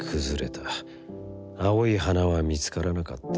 青い花は見つからなかった。